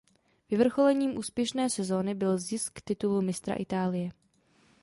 Vyvrcholením úspěšné sezony byl zisk titulu Mistra Itálie.